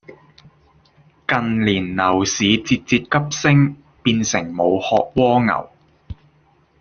近年樓市節節急升，變成無殼蝸牛